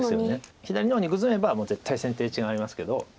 左の方にグズめばもう絶対先手１眼ありますけど。